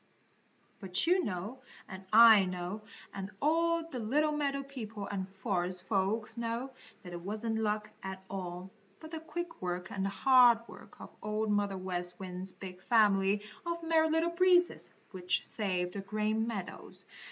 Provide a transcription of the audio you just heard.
But you know and I know and all the little meadow people and forest folks know that it wasn't luck at all, but the quick work and hard work of Old Mother West Wind's big family of Merry Little Breezes, which saved the Green Meadows.